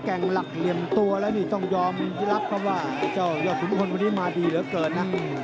แข่งหลักเหลี่ยมตัวแล้วต้องยอมรับว่ายอดของมนตร์วันนี้มาดีเหลือเกิดนะ